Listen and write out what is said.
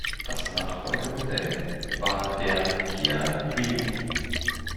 Das Nachfolgemodell war der Kia Rio.